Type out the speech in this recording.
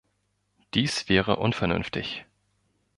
Dies wäre unvernünftig.